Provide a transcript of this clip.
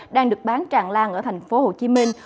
đang được bán tràn lan ở thành phố hồ chí minh